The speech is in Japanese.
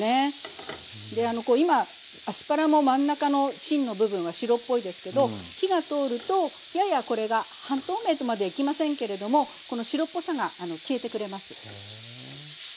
こう今アスパラも真ん中の芯の部分は白っぽいですけど火が通るとややこれが半透明とまではいきませんけれどもこの白っぽさが消えてくれます。